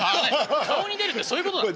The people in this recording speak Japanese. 顔に出るってそういうことなんだ。